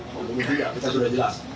pembunuh tidak kita sudah jelas